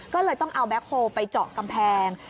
ก็เลยต้องเอาแบ็คโฮลไปเจาะกำแพง